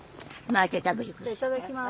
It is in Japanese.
いただきます。